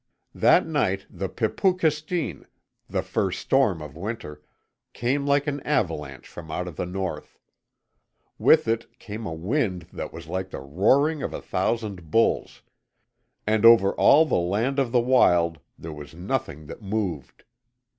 That night the PIPOO KESTIN the first storm of winter came like an avalanche from out of the North. With it came a wind that was like the roaring of a thousand bulls, and over all the land of the wild there was nothing that moved.